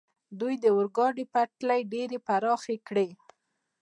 دوی د اورګاډي پټلۍ ډېرې پراخې کړې.